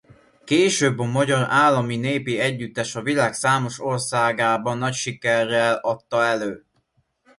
Később a Magyar Állami Népi Együttes a világ számos országában nagy sikerrel adta elő.